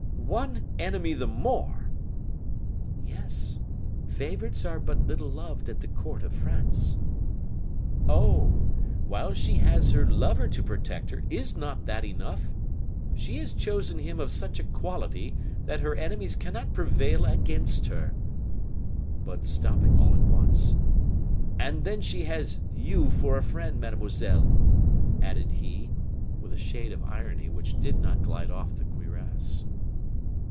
"One enemy the more!" "Yes; favorites are but little beloved at the court of France." "Oh! while she has her lover to protect her, is not that enough? She has chosen him of such a quality that her enemies cannot prevail against her." But, stopping all at once, "And then she has you for a friend, mademoiselle," added he, with a shade of irony which did not glide off the cuirass.